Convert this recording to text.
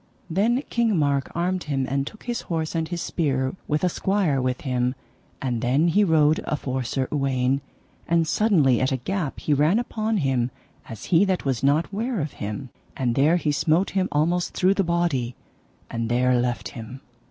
Then King Mark armed him, and took his horse and his spear, with a squire with him. And then he rode afore Sir Uwaine, and suddenly at a gap he ran upon him as he that was not ware of him, and there he smote him almost through the body, and there left him.